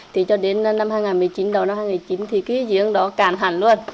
thì cho đến năm hai nghìn một mươi chín đầu năm hai nghìn một mươi chín thì cái giếng đó cạn hẳn luôn